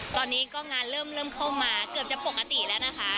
ตอนนี้ก็งานเริ่มเข้ามาเกือบจะปกติแล้วนะคะ